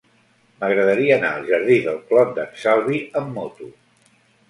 M'agradaria anar al jardí del Clot d'en Salvi amb moto.